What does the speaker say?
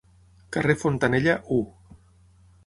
Carrer Fontanella, u.